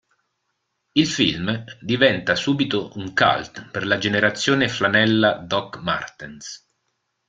Il film diventa subito un cult per la generazione flanella-doc martens.